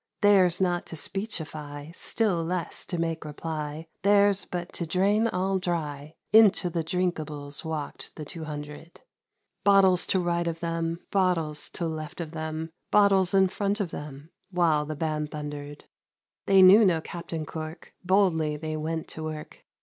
Theirs not to speechify. Still less to make reply ; Theirs but to drain all dry, — Into the drinkables Walked the Two Hundred ! Bottles to right of them, Bottles to left of them. Bottles in front of them. While the band thundered; They knew no " Captain Cork "— Boldly they went to work.